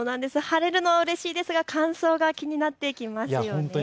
晴れるのはうれしいですが乾燥が気になってきますよね。